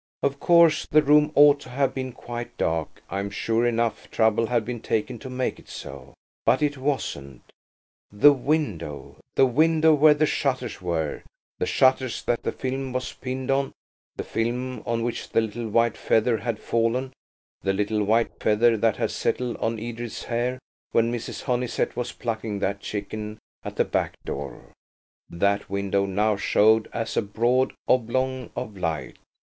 Of course the room ought to have been quite dark. I'm sure enough trouble had been taken to make it so. But it wasn't. The window, the window where the shutters were–the shutters that the film was pinned on–the film on which the little white feather had fallen–the little white feather that had settled on Edred's hair when Mrs. Honeysett was plucking that chicken at the back door–that window now showed as a broad oblong of light.